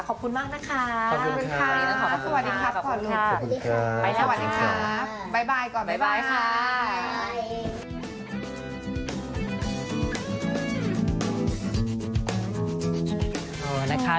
ขอบคุณมากนะคะ